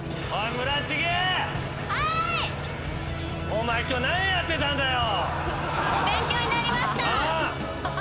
お前今日何やってたんだよ？